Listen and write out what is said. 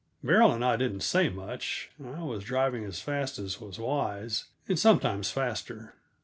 Beryl and I didn't say much; I was driving as fast as was wise, and sometimes faster.